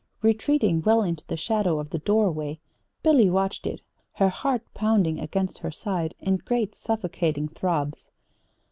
Retreating well into the shadow of the doorway, Billy watched it, her heart pounding against her side in great suffocating throbs.